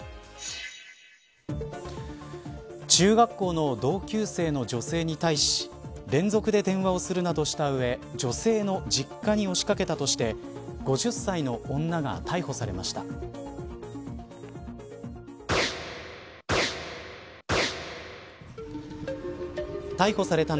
中学校の同級生の女性に対し連続で電話をするなどした上女性の実家に押しかけたとして５０歳の女が逮捕されました。